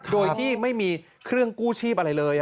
โดยที่ไม่มีเครื่องกู้ชีพอะไรเลย